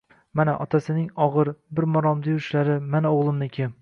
Mana, otasining og`ir, bir maromda yurishlari, mana o`g`limniki